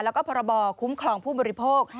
แล้วก็พรบคุ้มครองผู้บริโภค